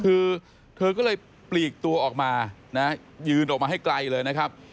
คือเธอก็เลยปลีกตัวออกมานะยืนออกมาให้ไกลเลยนะครับ